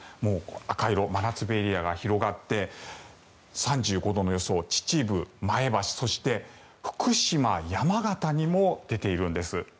赤色、真夏日エリアが広がって３５度の予想、秩父、前橋そして福島、山形にも出ているんです。